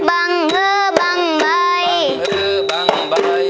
บังเหือบังใบ